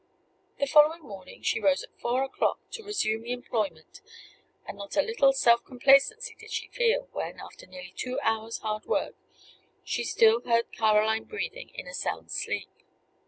The following morning she rose at four o'clock, to resume the employment; and not a little self complacency did she feel, when, after nearly two hours' hard work, she still heard Caroline breathing in a sound sleep.